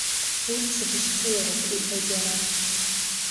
Урҭ зегьы шьцылароуп, – иҳәеит иара.